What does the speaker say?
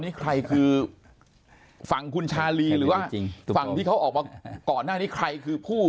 นี้ใครฟังคุณชาลีหรือว่าฟังที่เขาออกมาก่อนในใครคือผู้